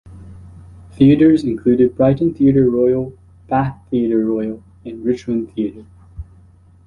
Theatres included Brighton Theatre Royal, Bath Theatre Royal and Richmond Theatre.